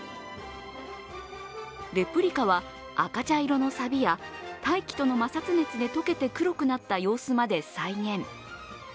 レプリカは赤茶色のさびや大気との摩擦熱で溶けて黒くなった様子まで再現。